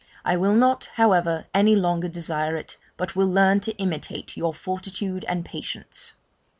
I will not, however, any longer desire it, but will learn to imitate your fortitude and patience.'